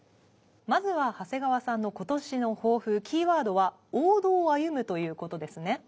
まずは長谷川さんの今年の抱負キーワードは「王道を歩む」という事ですね？